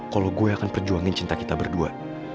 kalau gue akan perjuangin cinta kita berdua